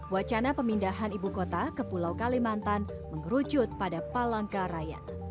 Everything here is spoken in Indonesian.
wacana pemindahan ibu kota ke pulau kalimantan mengerucut pada palangkaraya